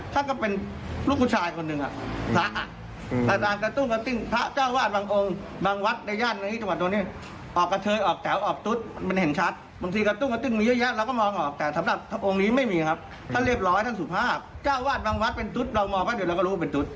ถ้าเจ้าอาวาสบางวัดเป็นตุ๊ดเรามองว่าเดี๋ยวเราก็รู้เป็นตุ๊ด